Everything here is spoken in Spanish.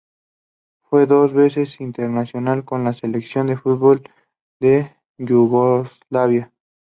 Fue dos veces internacional con la Selección de fútbol de Yugoslavia.